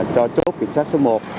cho chốt kiểm soát số một